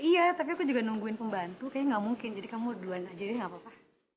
ya tapi aku juga nungguin pembantu kim niet mungkin jadi kamu duluan aja deh enggak papa